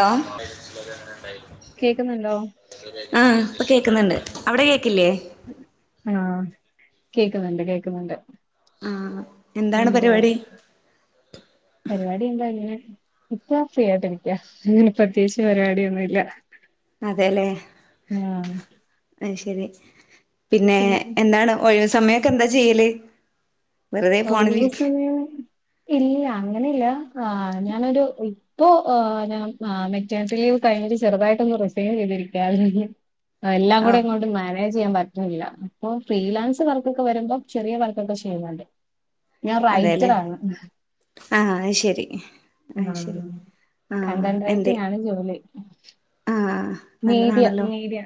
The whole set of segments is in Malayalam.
ആല കേക്കുന്നുണ്ടോ ആഹ ഇപ്പൊ കേക്കുന്നുണ്ട് അവിടെ കേക്കില്ലേ ആഹ കേൾക്കുന്നുണ്ട് കേക്കുന്നുണ്ട് ആ എ എന്താണ് പരിപാടി പരിപാടി എന്താല ഇപ്പ ഫ്രീ ആയിട്ട് ഇരിക്ക അങ്ങ പ്രത്യേകിച്ച് പരിപാടിയൊന്നും ഇല്ല അതെല്ലേ ആ ശരി പിന്നെ എന്താണ് ഒഴിവ സമയമൊക്കെ എന്താ ചെയ്യല് വെറുതെ ഫോണിലിരിക്ക ഒഴിവസമയ ഇല്ല അങ്ങനെല്ല ആ ഞാനൊരു ഇപ്പോൊ ് ഞ മെറ്റാനത്തി ലീവ് കഴിഞ്ഞിട്ട് ചെറുതായിട്ടൊ ഒന്ന് റിസീവ് ചെയ്തിരിക്ക എല്ലാം ഓ കൂടെ ഇങ്ങോട്ട മാനേജ് ചെയ്യൻറ്റും ഇല്ല അപ്പൊ ഫ്രീലാൻസ് വർക്കൊക്കെ വരുമ്പോ ചെറിയ വർക്കൊക്കെ ചെയ്യുന്നുണ്ട് ഞാൻ അതെല്ലേ റൈറ്ററാണ് ആ അത് ശരി ആ ശരി ആ എന്തേ കൺസൻറൈറ്റിംഗ ആണ് ജോലി ആ മീഡിയ നല്ലതാണല്ലോ മീഡിയ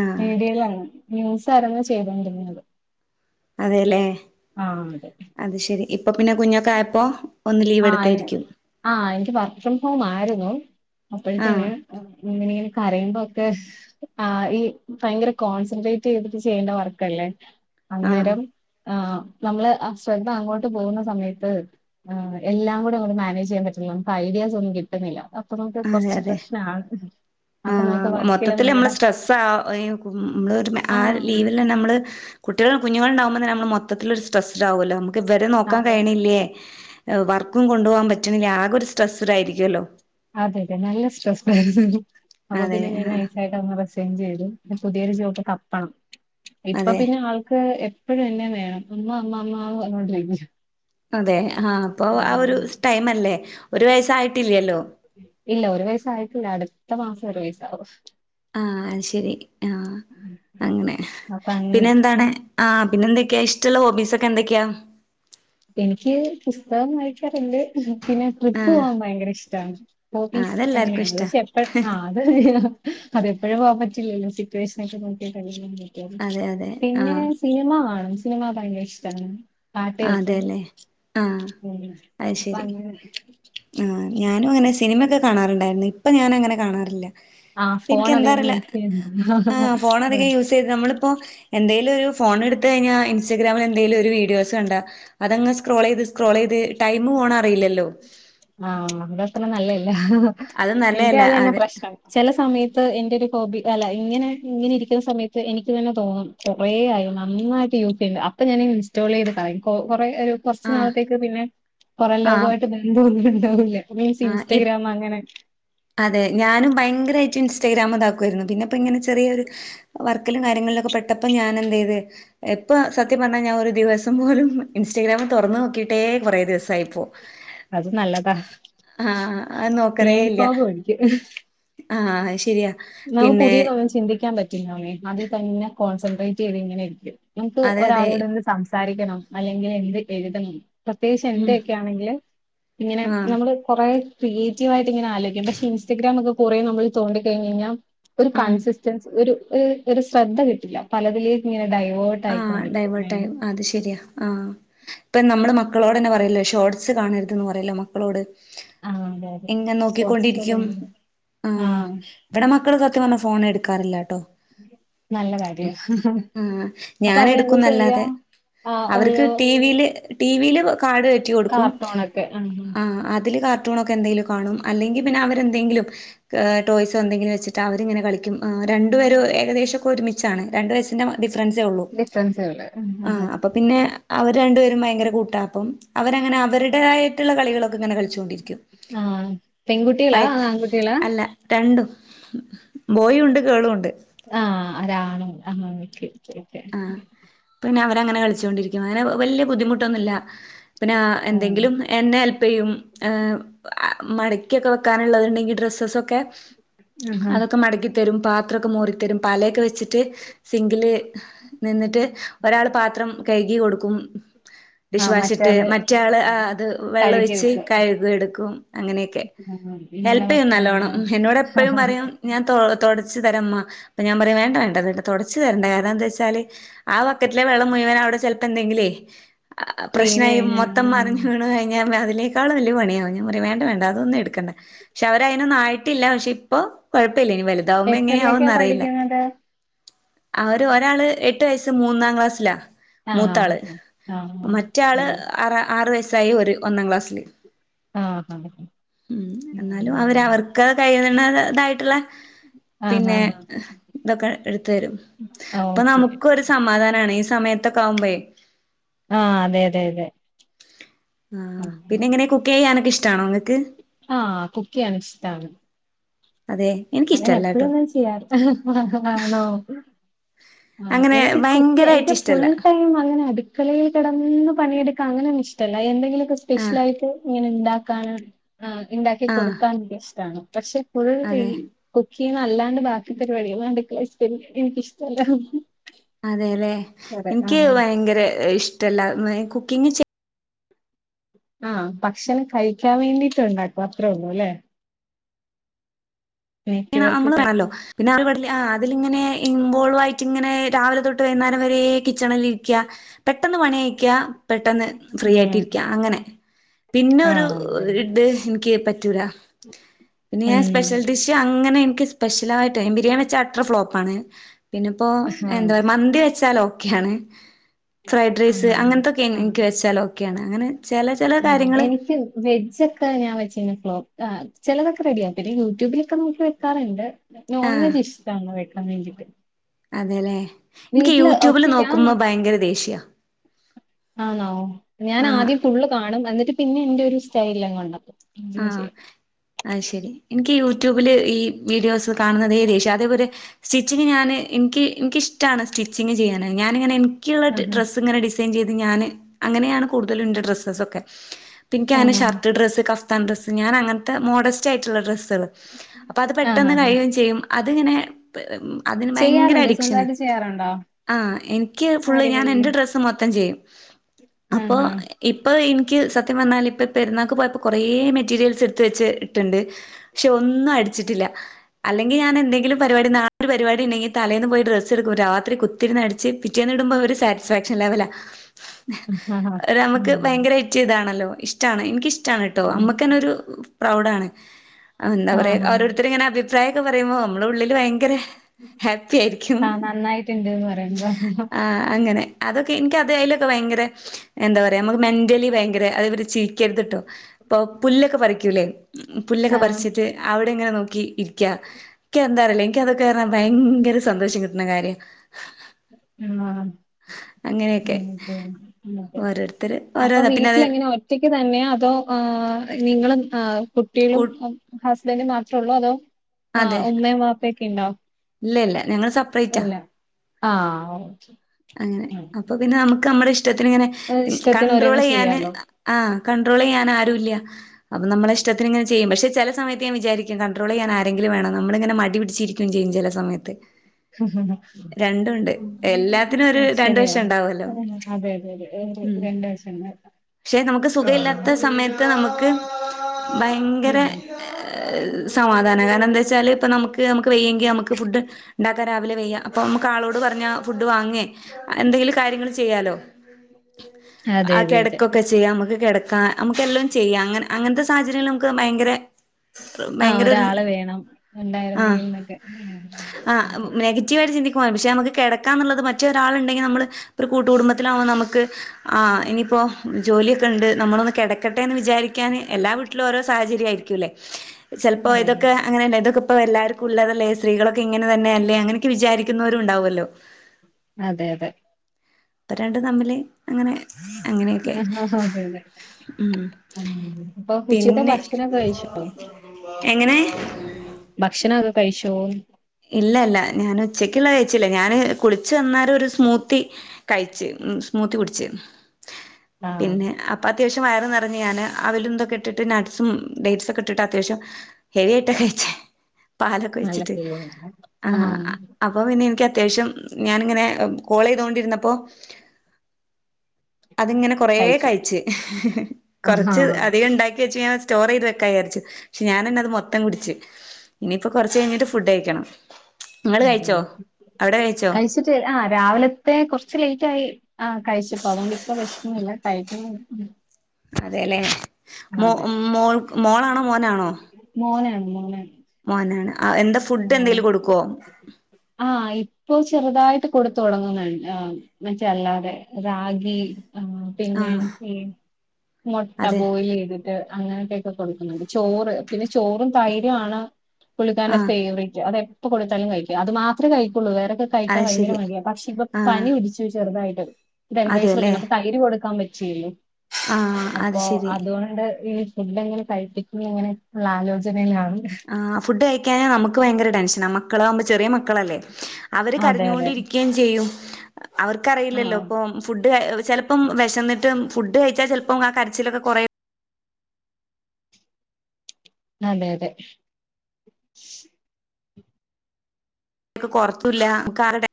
ആ മീഡിയയില മസാരങ്ങ ചെയ്തൊണ്ടിരന്നത് [unintelligible] അതെല്ലേ അത് ശരി ഇപ്പൊ പിന്നെ കുഞ്ഞൊക്കെ ആയപ്പോ ഒന്ന് ലീവ് ആ എടുത്തായിരിക്കും ആഹ എനിക്ക് വർക് ഫ്രം ഹോം ആയിരുന്നു ആ അപ്പോഴത്തന്നെ ങ്ങനെങ്ങനെ കരയുമ്പൊക്കെ ആ ഈ ഭയങ്കര കോൺസെൻട്രേറ്റ് ചെയ്തിട്ട് ചെയ്യണ വർക്കല്ലേ ആ അന്നേരം ആ നമ്മള് ആ ശ്രദ്ധ അങ്ങോട്ട് പോകുന്ന സമയത്ത് ആ എല്ലാം കൂടെ അങ്ങേട്ട് മാനേജ് ചെയ്യാൻ പറ്റുള്ള നമുക്ക് ഐഡിയാസ് ഒന്നും കിട്ടുന്നില്ല നമുക്ക് അതെ കുറച്ച് അതെ പ്രശ്നാണ് ആ അപ്പൊ നമുക്ക് വർക്കില് മൊത്തത്തില് നമ്മള് നമ്മുടെ സ്ട്രെസ് ആ നമ്മ ഒരു ആ ആഹ് ലീവൽ തന്നെ നമ്മള് കുട്ടികൾ കുഞ്ഞുണ്ടാവുമ്പൾന്ന ന മൊത്തത്തിലരു സ്ട്രസ്ട് ആവല്ലേ നമുക്ക് - ഇവരെ നോക്കാൻ അതെ കഴണില്ലേ വർക്കും കൊണ്ടു പോകാൻ പറ്റണില്ല ആകെ ഒരു സ്ട്രെസ്ഡ് ആയിരിക്കൂലലോ അതെ അതെ നല്ല സ്ട്രെസ് അപ്പൊ അതെ പിന്നെ ഞാൻ ആഹ് നൈയസായിട്ട് ചെയ്തു പുതിയൊരു ജോബ് തപ്പണം അതെ ഇപ്പംപിന്നെ ആൾക്ക് എപ്പഴും എന്നെ വേണം അമ്മ അമ്മ അമ്മമാ വന്നോണ്ടിരക്കും അതെ ആഹ അപ്പൊ ആ ഒരു ടൈം അല്ലേ? ഒരു വയസ്സായിട്ടില്ലല്ലോ ഇല്ല ഒരു വയസായിട്ടില്ല അടുത്ത മാസം ഒരു വയസാവും ആഹ് അത് ശരി അങ്ങനെ അപ്പൊ അങ്ങനെ. പിന്നെന്താണ്? ആഹ പിന്നെ എന്തൊക്കെയാ ഇഷ്ടമുള്ള ഹോബീസ് ഒക്കെ എന്തൊക്കെയാ എനിക്ക് പുസ്തകം വായിക്കാറുണ്ട് പിന്നെ ട്രിപ്പ് ആഹ് പോകാൻ ഭയങ്കര ഇഷ്ടമാണ് ആഹ് ഹോബീസ് അതെല്ലാർക്കും അങ്ങനെയാണ് ഇഷ്ടാ പക്ഷെ എപ്പ ആ അത് അതെപ്പോഴും പോവാൻ പറ്റില്ലല്ലോ സിറ്റുവേഷനൊക്കെ നോക്കിട്ടല്ലേ അതെ അതെ പിന്നെ ആഹ് സിനിമ കാണും സിനിമ ഭയങ്കര ഇഷ്ടാണ് [unintelligible] അതെല്ലേ ആഹ ഉം അത് അപ്പ ശരി അങ്ങനെ ആ ഞാനും അങ്ങനെ സിനിമൊക്കെ കാണാറുണ്ടായിരുന്നു ഇ ഇപ്പ ഞാനങ്ങനെ കാണാറില്ല ആഹ് ഫോൺ എനിക്ക് അധികം എന്താറില്ല യൂസ് ആ ചെയ്യുന്ന ഫോൺ അധികം യൂസ് ചെയ്ത് നമ്മളിപ്പോ എന്ത ഒരു ഫോണെടുത്ത് കഴിഞ്ഞ ഇൻസ്റ്റഗ്രാമിലെന്തെലും ഒരു വീഡിയോ സ് കണ്ടാ അതങ്ങ് സ്ക്രോൾ ചെയ്ത് സ്ക്രോൾ ചെയ്ത് ടൈമ് പോണ അറിയില്ലല്ലോ ആ അവിടെത്ര നല്ലലെ ല്ല അത് എൻ്റെ നല്ലതല്ല അത് തന്ന അതെ പ്രശ്നം ചെല സമയ ട്ട് ന്റൊരു ഹോബി അല്ല ഇങ്ങനെ ഇങ്ങനെയിരിക്കുന്ന സമയത്ത് എനിക്ക് തന്നെ തോന്നും കൊറേയായി നന്നായിട്ട് യൂസ് ചെയ്യണ്ട് അപ്പ ഞാന് ഇൻസ്റ്റോൾ ചെയ്ത് കളയും കൊ കൊർ കൊറേ ആഹ് കൊർച്ച്നാളത്തേക്ക് പിന്നെ പൊറം ലോ ആഹ് എന്തോന്നുണ്ടാവൂലെ മീൻസ് ആഹ് ഇ ഇൻസ്റ്റഗ്രാമങ്ങനെ അതെ ഞാനും ഭയങ്കരായിട്ട് ഇൻസ്റ്റഗ്രാംതാക്കുവായിരുന്നു പിന്നപ്പങ്ങനെ ചെറിയൊരു വർക്കിലും കാര്യങ്ങളിലൊക്കെ പെട്ടപ്പം ഞാനെന്തേയ്ത് എപ്പൊ സത്യം പറഞ്ഞാ ഞാനൊരു ദിവസം പോലും ഇൻസ്റ്റാഗ്രാം തൊറന്ന് നോക്കിട്ടേ കൊറെ ദിവസായിപ്പോ അത് നല്ലതാ ആഹ് അ ബ്രെയിൻ നോക്കലേല്ല ഫോഗ് ആ അയ് ശരിയാ നാം പിന്നെ പുതിയതൊന്നും ചിന്തിക്കാൻ പറ്റ [unintelligible] അതിതന്നെ കോൺസെൻട്രേറ്റ് ചെയ്ത് ഇങ്ങനെയിരിക്കും എനിക്ക് അതെ അതെ ഒരാളോട് സംസ സംസാരിക്കണം അല്ലെങ്കില് എന്ദ് എഴുതണം പ്രത്യേകിച്ച് ഉം എൻ്റെയേക്കെയാണെങ്കില് ഇങ്ങനെ ആഹ് നമ്മള് കൊറെ ക്രിയേറ്റീവായിട്ടിങ്ങനെ ആലോയിക്കും പക്ഷെ ഇൻസ്റ്റഗ്രാമൊക്കെ കൊറെ നമ്മള് തോണ്ടി കയ്ഞ്ഞയ്ഞ്ഞാ [unintelligible] ഒരു ഉം കൺസിസ്റ്റൻസ് ഒരു ഒരു ശ്രദ്ധ കിട്ടില്ല പലതിലേക്കിങ്ങനെ ആ ഡൈവേർട്ടാവും അത് ശെരിയാ ആ ഇപ്പം നമ്മള് മക്കളോട് തന്നെ പറയില്ലേ ഷോർട്സ് കാണരുതെന്ന് പറയല്ലോ മക്കളോട് ആഹ് അതെ അതെ ഇങ്ങൻ ഷോർട്സൊക്കെ നോക്കിക്കൊണ്ടിരിക്കും ഭയങ്കര ആ ആഹ് ഇവിടെ മക്കള് ഇക്ക വന്ന് ഫോണെ ക്കാറില്ലാട്ടോ നല്ല കാര്യാ മ്മ് അപ്പൊ അവരെന്താ ചെയ്യാ ഞാനെടുക്കുന്നല്ലാതെ ആഹ് അവർക്ക് ഓരോ ടിവിയില് ടിവിയില് കാട് കയറ്റി കൊടുക്കും കാർട്ടൂണൊക്കെ ആഹ് ആ അതില് കാർട്ടൂണൊക്കെ എന്തേലും കാണും അല്ലെങ്കി പിന്നെ അവരെന്തെങ്കിലും ടോയ്‌സോ എന്തങ്കിലും വെച്ചിട്ട് അവരിങ്ങനെ കളിക്കും രണ്ടുപേരും ഏകദേശൊക്കെ ഒരുമിച്ചാണ് രണ്ട് വയസ്സിൻ്റെ ഡിഫറൻസേ ഒ ഡിഫെറൻസേ ഒള്ള് ഹ് ഹ് ഹ് അവര് രണ്ടുപേരും ഭയങ്കര കൂട്ടാ അപ്പം അവരങ്ങനെ അവരുടെതായിട്ടുള്ള കളികളൊക്കെ ഇങ്ങനെ കള ച്ചോണ്ടിരിക്കും ആഹ് പെൺകുട്ടികളാ അതോ ആൺകുട്ടികളാ [unintelligible] അല്ല രണ്ടും ബോയിയുണ്ട് ഗേളുവൊണ്ട് ആ അരാണു ആ [unintelligible] ഓക്കെ അങ്ങനെ കളിച്ചൊണ്ടിരിക്കും അങ്ങനെ വല്ല്യ ബുദ്ധിമുട്ടൊന്നുല്ല പിന്നെ ആഹ് എന്തെങ്കിലും എന്നെ ഹെല്പ്യ്യും ഏ മടക്കിക്കൊക്കെ വെക്കാന്ള്ളത്ണ്ടെങ്കി ഡ്രസ്സസൊക്കെ ആഹാ അതൊക്കെ മടക്കി തരും പാത്രക്കേമോറിത്തരും പലയൊക്കെ വെച്ചിട്ട് സിഗ് ല് നിന്നിട്ട് ഒരാള് പാത്രം കഴുകി കൊടുക്കും ഡിഷ് ആഹ് വാഷിട്ട് മറ്റാള് മറ്റയാള് ആ, അത് വെള്ളം കഴുകി ഒഴ്ച്ച് വെക്കും കഴ്കി എട്ക്കും അങ്ങനെയൊക്കെ ആ, ഇങ്ങനെയുള്ള ഹെല്പ് ചെയ്യും നല്ലോണം മക്കളാണല്ലേ എന്നോട് എപ്പഴും പറയും ഞാൻ തോ തോടച്ച് തരമ്മാ അപ്പ ഞാൻ പറയും വേണ്ട വേണ്ട വേണ്ട തോടച്ച് തരണ്ട ഞാന് [unintelligible] വച്ചാല് ആ വക്കറ്റിലെ വെള്ളം മുഴുവൻ അവിടെ ചെലപ്പോ എന്തെങ്കിലേ ഉ വീണ് പ്രശ്നായി കഴിഞ്ഞ മൊത്തം ആഹ് മറിഞ്ഞ് വീണാ [unintelligible] അയിനെക്കാളും വല്യയ പണിയാവും ഞാൻ പറയും വേണ്ട വേണ്ട അതോന്ന്ട്ക്കണ്ട പക്ഷെ അവര് അയിനൊന്നും ആയിട്ടില്ല പക്ഷെ ഇപ്പോ കോഴ പ്പില്ല ഇനി വലുതാവുമ്പോ എങ്ങനെയാവുന്ന് എത്രയിലൊക്കെയാ അറിയില്ല പഠിക്കുന്നത് അവര് ഒരാള് എട്ട് വയസ്സ് മൂന്നാം ക്ലാസ്സിലാ ആഹ് മൂത്താള് ആഹ് മറ്റാള് അതെ ആ ആറ് വയസ് [unintelligible] ഒര് ഒന്നാം ക്ലാസ്സില് ആഹ് ഉം എന്നാലും അവരവർക്ക് കഴിയ്ന്നതായിട്ട്ള്ള ആഹ് ആഹ് പിന്നെ ആഹ് ഇതൊക്കെ എട്ത്ത് തരും അപ്പ ഓക്കെ നമുക്കൊര് സമാധാനാ ഈ സമയത്തൊക്കെ ആവുമ്പയേ ആ അതെ അതെ അതെ ആ പിന്നെ എങ്ങനെ കുക്ക്യ്യാനൊക്കെ ഇഷ്ടണോ ഇങ്ങക്ക് ആഹ് കുക്ക് ചെയ്യാൻ ഇഷ്ടാണ് അതെ അങ്ങനെ എപ്പഴും എനിക്കിഷ്ടല്ലാട്ടോ ഒന്നും ചെയ്യാറ് ആണോ ആ അങ്ങനെ എനിക്ക് കുക്ക് ഭയങ്കരായിട്ട് എനിക്ക് ഫുൾ ഇഷ്ടല്ല ടൈം അങ്ങനെ അടുക്കളേല് കേടന്ന് പണിയെട് ക്ക അങ്ങനെന്നു ഇഷ്ടല്ല എന്തെങ്കിലും ആഹ് സ്പെഷ്യലായിട്ട് ഇങ്ങനെ ഇണ്ടാക്കാനാണ്‌ ആ ഇണ്ടാക്കി ആഹ് കൊട്ക്കാൻ ഇഷ്ടാണ്‌ പക്ഷെ ഫുൾ അതെ [unintelligible] കുക്ക്യ്യ്ന്നത് അല്ലാണ്ട് ബാക്കി പരിപാടികൾ അട്ക്കളെ ചെയ്യ എനിക്കിഷ്ടല്ല അതെല്ലേ അതെ എനിക്ക് ആഹ് ഭയങ്കര ഇഷ് ഇഷ്ടല്ല കുക്കിങ് ചെ ആഹ് ഭക്ഷണം കഴിക്കാൻ വേണ്ടിട്ട് ഉണ്ടാക്കും അത്ര ഉള്ളൂ അല്ലേ നെറ്റ് അെ വർക്ക് വണല്ലോ പിന്നെ ആ അതിലിങ്ങനെ ഇൻവോൾവ് ആയിട്ട് ഇങ്ങനെ രാവിലെ തൊട്ട് വൈകുന്നേരം വരെ കിച്ചണിൽ ഇരിക്കുക പെട്ടെന്ന് പണി കയിക്ക പെട്ടെന്ന് ഫ്രീ ഉം ആയിട്ടിരിക്കുക അങ്ങനെ പിന്നെ ഒരു ആഹ് അതെ അതെ. ഇത് എനിക്ക് പറ്റൂല പിന്നെ ഞാൻ ഉം സ്പെഷ്യൽ ഡിഷ് അങ്ങനെ എനിക്ക് സ്പെഷ്യലായിട്ട് ബിരിയാണി വെച്ച അട്ടർ ഫ്ലോപ്പ ആണ് പിന്നെ ഇപ്പോ ആഹ് എന്താ പറ മന്തി വെച്ചാലോ ഒക്കെയാണ് ഫ്രൈഡ് റൈസ് ആഹ് അങ്ങനത്തൊക്കെ എനിക്ക് വെച്ചാൽ ഓക്കെയാണ് അങ്ങനെ ചില ചില ആ കാര്യങ്ങള് എനിക്ക് വെജൊക്കെ ഞാൻ വെച്ചിുന്ന ഫ്ലോപ്പ് ആ് ചിലതൊക്കെ റെഡിയ ആന്നെ യൂട്യൂബിലൊക്ക നോക്കി വെക്കാറുണ്ട്. ആഹ് നോൺവെജ് ഇഷ്ടമാണോ വെക്കാൻ വേണ്ടിട്ട് അതെല്ലേ എനിക്ക് വീട്ടില് യൂട്യൂബിൽ ഒറ്റക്കാ നോക്കുമ്പോ ഭയങ്കര ദേഷ്യ ആണ ഞാൻ ആഹ് ആദ്യം ഫുള്ള് കാണും എന്നിട്ട് പിന്നെ എന്റെ ഒരു സ്റ്റൈല കൊണ്ടപ്പോ ആഹ് അത് ശെരി എനിക്ക് യ യൂട്യൂബിൽ ഈ വീഡിയോസ് കാണുന്നതെ ദേഷ്യം അതേപോലെ സ്റ്റിച്ചിങ് ഞാൻ എനിക്ക് എനിക്കിഷ്ടമാണ് സ്റ്റിച്ചിങ് ചെയ്യാൻ ഞാനിങ്ങനെ എ ബാക്കിയുള്ള ആഹ് ഡ്രസ് ഇങ്ങനെ ചെയ്ത് ഞാന് അങ്ങനെയാണ് കൂടുതലുംന്റെ ഡ്രസ്സസ്സ് ഒക്കെ പിന്നക്ക് ആനെ ആഹ് ആഹ് ഷർട്ട് ഡ്രസ് കഫ് ത്താ ഡ്രസ്സ് ഞൻ അങ്ങനത്തെ മോഡസ്റ്റ് ആയിട്ടുള്ള ഡ്രസ് അപ്പ അത് ആഹ് പെട്ടെന്ന് ആഹ് ആഹ് കഴിവയും ചെയ്യും അതിങ്ങനെ അതിന് ഭയങ്കര ചെയ്യാറുണ്ട് അഡിക്ഷന് സ്വന്തമായിട്ട് ചെയ്യാറുണ്ടോ ആ എനിക്ക് ഫുള്ള് ഞാൻ അടിപൊളി എന്റെ ഡ്രസ്സ് മൊത്തം ചെയ്യും അപ്പോ ആഹ് ഇപ്പൊ എനിക്ക് സത്യം പറഞ്ഞാൽ ഇപ്പ പെരുന്നാക്ക് പോയപ്പോ കുറേ മെറ്റീരിയൽസ് എടുത്ത് വെച്ച് ഇട്ടുണ്ട് പക്ഷെ ഒന്നും അടിച്ചിട്ടില്ല അല്ലെങ്കിൽ ഞാൻ എന്തെങ്കിലും പരിപാടി നാ ഒരു പരിപാടി ഉണ്ടെങ്ക തലേൽന്ന് പോയി ഡ്രസ്സെടുക്കും രാത്രി കുത്തിരുന്ന് അടിച്ച് പിറ്റേന്നിടുമ്പോ സാറ്റിസ്ഫാക്ഷൻ ലെവല ആഹ് ആഹ് നമുക്ക് ഉം ഭയങ്കരായിറ്റ് ഇതാണല്ലോ ഇഷ്ടമാണ് എനിക്ക്ഷ് റ്റാണ് ട്ടോ ആഹ് അമ്മക്കന്നെ ഒരു പ്രൗഡാണ് എന്താ പറയാ ആഹ് ഓരോരുത്തർ ഇങ്ങനെ അഭി പ്രായൊക്കെ പറയുമ്പോ നമ്മടെ ഉള്ളിൽ ഭയങ്കര ഹാപ്പി ആയിരിക്കും ആഹ് നന്നായിട്ട്ണ്ട്ന്ന് പറയുമ്പോ അങ്ങനെ അതൊക്കെ എനിക്കതേലൊക്കെ ഭയങ്കര എന്താ പറയാ നമ്മക്ക് മെന്റലി ഭയ ങ്കര [unintelligible] ചിരിക്കരുത്ട്ടോ ഇപ്പൊ പുല്ലൊക്കെ പറിക്കൂലേ പുല്ലൊക്കെ ആഹ് പറിച്ചിട്ട് അവി ടങ്ങനെ നോക്കി ഇരിക്കാ എക്ക് എന്താറീല്ലാ എനിക്ക് അതൊക്കെ അങ്ങനെ ഭയങ്കര സന്തോഷം കിട്ടുന്ന കാര്യാ ആ അങ്ങനെയൊക്കെ. ഉം ഉം അതെ ഓരോരുത്തര് അപ്പൊ ഓരോതാ പിന്നെ അത് വീട്ടില് എങ്ങനെ ഒറ്റക്ക് തന്നെയോ അതോ ആ നിങ്ങളും ആ കൂ കുട്ടികളും ഹസ് ഹസ്ബൻഡും മാത്രേ ഉള്ളോ അതോ ആ അതെ ഉമ്മയും ബാപ്പയും ഒക്ക ഉണ്ടാവും ഇല്ല ഇല്ല ഞങ്ങള് സപ്പറേറ്റ ആഹ് ഓക്കെ അങ്ങനെ ഉം. അപ്പൊ പിന്നെ നമുക്ക് ക്ക് നമ്മടെ ഇഷ്ടം ത്തിന് ഇങ്ങനെ അത് ഇഷ്ടത്തിന് കൺട്രോൾ ഓരോന്ന് ചെയ്യാന് ചെയ്യാലോ ആ കൺട്രോൾ ചെയ്യാൻ ആരു രൂല അപ്പൊ നമ്മടെ ഇഷ്ടത്തിങ്ങനെ ചെയ്യാം പക്ഷേ ചെല സമയത്ത് ഞാൻ വിചാരിക്കും കൺട്രോൾ ചെയ്യാൻ ആരെങ്കിലും വേണം നമ്മളിങ്ങനെ മടി പിടിച്ചിരിക്കുകയും ചെയ്യും ചെല സമയത്ത് രണ്ടും ഉണ്ട് എല്ലാത്തിനും ആ, ഒരു രണ്ട് വശം ശരിയാണ് ഉണ്ടാവുവല്ലോ ഉം, അതെ അതെ അതെ ഒരു ഉം രണ്ട് വശങ്ങൾ പക്ഷെ നമുക്ക് ഉം സുഖം ഇല്ലാത്ത സമയത്ത് നമുക്ക് ഭയങ്കര ഉം. സമാധാന കാരണം എന്താ വെച്ചാൽ ഇപ്പം നമുക്ക് നമുക്ക് വയ്യെങ്കി ഫുഡ് ഉണ്ടാ ഒക്കെ രാവിലെ വയ്യ അപ്പോൾ നമുക്ക് ആളോട് പറഞ്ഞാൽ ഫുഡ് വാങ്ങുയേ എന്തേലും കാര്യങ്ങൾ ചെയ്യാലോ അതെ ആ അതെ അതെ കെടക്കൊക്കെ ചെയ്യാം നമുക്ക് കെടക്ക ക്കാം നമുക്ക് എല്ലാം ചെയ്യാം അങ്ങ അങ്ങനത്തെ സാഹചര്യങ്ങൾ നമുക്ക് ഭയങ്കര ആ ഭയങ്കര ഒരു ഒരാള് വേണം ഉണ്ടായിരുന്നെങ്കിൽന്നൊക്കെ ആ നെഗറ്റീവ് ആയിട്ട് ചിന്തിക്കുവാ പക്ഷെ നമുക്ക് കിടക്കാന്നുള്ളത് മറ്റൊരാൾ ഉണ്ടെങ്കിൽ നമ്മള് ഒരു കൂട്ടു കുടുംബത്തിലാവുമ്പോ നമുക്ക് ആ ഇനിയിപ്പോ ജോലിയൊക്കെ ഉണ്ട് നമ്മളൊന്ന് കെടക്കട്ടെ എന്ന് വിചാരിക്കാന് എല്ലാ വീട്ടിലും ഓരോ സാഹചര്യം ആയിരിക്കുല്ലേ ചെലപ്പോ അതെ അതെ ഇതൊക്കെ അങ്ങനെ തന്നെ ഇതൊക്കെ ഇപ്പം എല്ലാർക്കും ഉള്ളതല്ലേ സ്ത്രീകളൊ ഇങ്ങനെ തന്നെ അല്ലേ അങ്ങനൊക്കെ വിചാരിക്കുന്നവരും ഉണ്ടാവുമല്ലോ അതെ അതെ ഇപ്പൊ രണ്ട് തമ്മില് അങ്ങനെ അങ്ങനെയൊക്കെ ആ ആ അതെതെ ഉം അപ്പൊ ഉച്ചിത്തെ പിന്നെ ഭക്ഷണോ കഴിച്ചോ എങ്ങനെ ഭക്ഷണം ഒക്കെ കഴിച്ചോ എനിക്കുള്ള കഴിച്ചില്ല ഞാന് കുളിച്ചു വന്നാല ഒരു സ്മൂത്തി കഴിച്ച് സ്മൂത്തി കുടിച്ച് ആഹ് പിന്നെ അപ്പ- അത്യാവശ്യം വയറെ നിറഞ്ഞു ഞാന് അവല ഇന്തൊക്കെ ഇട്ടിട്ട് നട്ട്സും ഡേറ്റ്സ ഒക്കെ ഇട്ടിട്ട് അത്യാവശ്യം ഹെവി ആയിട്ടൊക്കെഴിച്ചേ പാലൊക്കെ നല്ല ഒഴിച്ചിട്ട് ഫീലിങ്ങാണ് ആ ആഹ് അപ്പൊ പിന്നെ എനിക്ക്- അത്യാവശ്യം ഞാനിങ്ങനെ- കോൾ ചെയ്തോണ്ടിരുന്നപ്പോ അതിങ്ങനെ കൊറേ കഴിച്ചു കൊറച്ച് ആഹ് അധികം ഉണ്ടാക്കി വെച്ച ഞാൻ സ്റ്റോർ ചെയ്ത് വെക്കായിച്ചു പക്ഷെ ഞാനന്നെ അത് മൊത്തം കുടിച്ച് ഇനിയിപ്പൊ കുറച്ച് കഴിഞ്ഞിട്ട് ഫുഡ് കയിക്കണം അതെതെ കഴിച്ചോ കഴിച്ചിട്ട് ആ രാവിലത്തെ കുറച്ച് ലേറ്റ് ആയി ആ കഴിച്ചപ്പോ അതുകൊണ്ട് ഇപ്പ വിശിക്കുന്നില്ല കഴിക്കുന്ന- അതെ അല്ലെ മ മോൾക്ക് - മോളാണോ മോനാണോ ആ [unintelligible] ആ എന്താ ഫുഡ് എന്തെങ്കിലും കൊടുക്കോ ആഹ് ഇപ്പൊ ചെറുതായിട്ട് കൊടുത്ത തുടങ്ങുന്നുണ്ട് മറ്റല്ലാതെ റാഗി ആ ആ പിന്നെ എനിക്ക് മുട്ട അതെ ബോയിൽ ചെയ്തിട്ട് അങ്ങനക്കെ ക്ക കൊടുക്കുന്നുണ്ട് ചോറ് പിന്നെ ചോറും തൈര് ആണ് ആ കുളിക്കന അത് എപ്പൊ കൊടുത്താലും കഴിക്കും അത് മാത്രമേ കഴിക്കു ഉള്ള വേറെൊക്കെ കഴിക്കാ അത് ഭയങ്കര ശരി മടിയ പക്ഷ ഇപ്പൊ ആ പനി പിടിച്ചു ചെറുതായിട്ട് വക്കാണ് അപ്പ തൈര് കൊട് പറ്റ് ചെയ്യല്ല ആഹ അത് ശരി ഈ ഫുഡ് എങ്ങനെ കഴപ്പിക്കുന്ന അങ്ങനെള്ള ആലോചനാണ് ആ ഫുഡ് കഴിക്കാന നമുക്ക് ൻക്ക് ഭയങ്കര ടെൻഷനാ മക്കളാകുമ്പോ ചെറിയ മക്ക ക്കളല്ലേ അവര് അതെ അതെ കരഞ്ഞോണ്ടിരിക്കയും ചെയ്യും [unintelligible] അവർക്കറിയില്ലല്ലോ ആഹ് ഇപ്പം ഫുഡ് ചെൽപ്പം വെശന്നിട്ട് ഫുഡ് കഴിച്ചാ ചെൽപ്പം ആ കരച്ചിലൊക്കെ കൊറേ അതെ അതെ [unintelligible] അമ്മക്കാകെ ടെ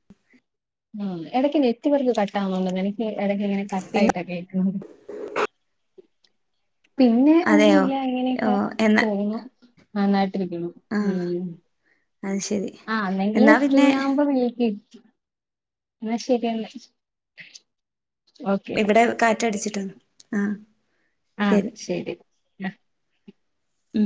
ഉം എടക്ക് നെറ്റ് വർക്ക് കട്ടാവുന്നുണ്ടെന്ന് എനിക്ക് എടക്ക്ങ്ങനെ കട്ടാ പിന്നെ യിട്ട കേക് [unintelligible] പിന്നെ ഒന്നു അതെയോ ല്ല ഓ അങ്ങനെക്കെ എന്നാ പോകുന്നു ആ ന ട്ടിരിക്കുന്നു ആ ഉം അത് ശരി ആ ന്നങ്കില് എന്നാ ഫ്രീ പിന്നെ യാവുമ്പോ വിളി ക്ക് എന്ന ശെരിയാ ന്ന ഇവിടെ കാറ്റടിച്ചി [unintelligible] ആ ആ ശരി ശെരി അ ഉം